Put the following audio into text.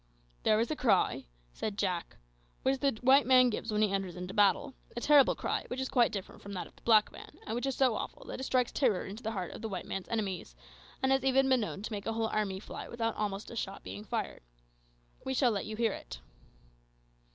"There is a cry," said Jack, "which the white man gives when he enters into battle a terrible cry, which is quite different from that of the black man, and which is so awful that it strikes terror into the heart of the white man's enemies, and has even been known to make a whole army fly almost without a shot being fired. We shall let you hear it."